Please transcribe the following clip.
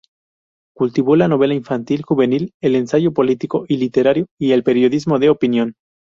Cultivó la novela infantil-juvenil, el ensayo político y literario y el periodismo de opinión.